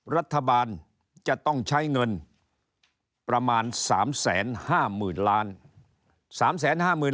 รัฐบาลจะต้องใช้เงินประมาณ๓๕๐๐๐ล้าน